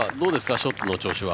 ショットの調子は？